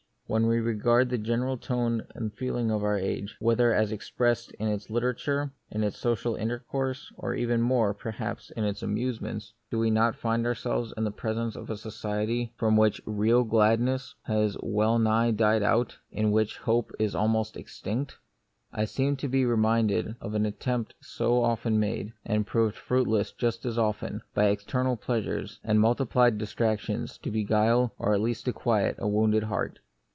When we regard the general tone of feeling of our age, whether as expressed in its literature, in its social intercourse, or even more, perhaps, in its amusements, do we not find ourselves in presence of a society from 8 The Mystery of Pain. which real gladness has well nigh died out, in which hope is almost extinct ? I seem to be reminded of the attempt so often made, and proved fruitless just as often, by external pleasures and multiplied distractions to be guile, or at least to quiet, a wounded heart.